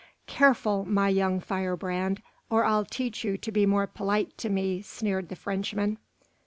"Careful, my young firebrand, or I'll teach you to be more polite to me," sneered the Frenchman.